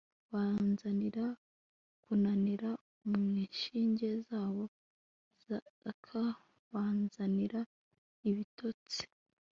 banzanira kunanirwa mu nshinge zabo zaka, banzanira ibitotsi